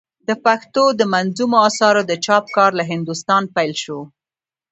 د پښتو دمنظومو آثارو د چاپ کار له هندوستانه پيل سو.